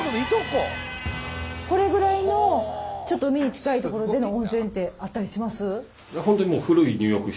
これぐらいのちょっと海に近い所での温泉ってあったりします？